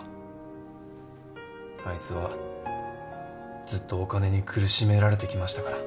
あいつはずっとお金に苦しめられてきましたから。